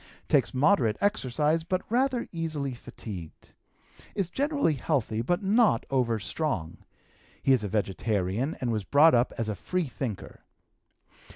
Takes moderate exercise, but rather easily fatigued. Is generally healthy, but not overstrong. He is a vegetarian, and was brought up as a free thinker.